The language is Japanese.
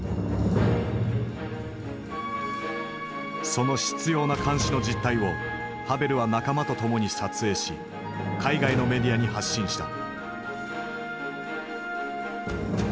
その執拗な監視の実態をハヴェルは仲間と共に撮影し海外のメディアに発信した。